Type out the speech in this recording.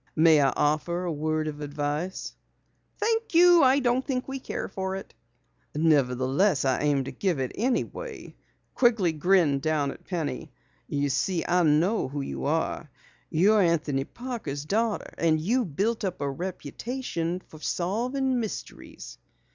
May I offer a word of advice?" "Thank you, I don't think we care for it." "Nevertheless, I aim to give it anyway." Quigley grinned down at Penny. "You see, I know who you are. You're Anthony Parker's daughter, and you've built up a reputation for solving mysteries."